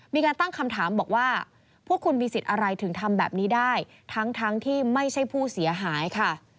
มีการตั้งคำถามบอกว่าพวกคุณมีสิทธิ์อะไรถึงทำแบบนี้ได้ทั้งที่ไม่ใช่ผู้เสียหายค่ะ